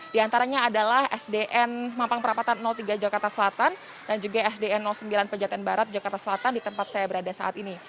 di antaranya adalah sdn mampang perapatan tiga jakarta selatan dan juga sdn sembilan pejaten barat jakarta selatan di tempat saya berada saat ini